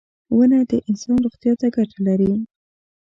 • ونه د انسان روغتیا ته ګټه لري.